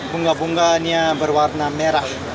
bunga bunganya berwarna merah